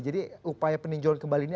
jadi upaya peninjauan kembali ini